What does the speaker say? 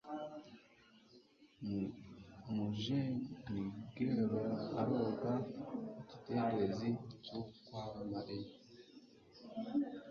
Mu Jeux Ni Girl aroga mu kidendezi cy'i ukwawe amarira